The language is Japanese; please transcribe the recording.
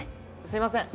すみません。